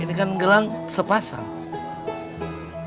ini kan gelang sepasang